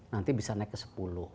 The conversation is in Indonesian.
nanti bisa naik ke sepuluh